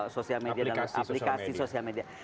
sosial media dalam aplikasi sosial media